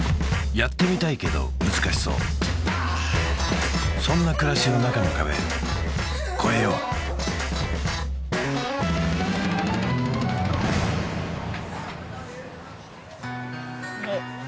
やってみたいけど難しそうそんな暮らしの中の壁越えようおっ